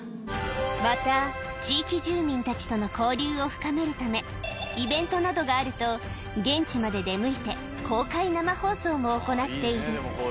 また、地域住民たちとの交流を深めるため、イベントなどがあると、現地まで出向いて公開生放送も行っている。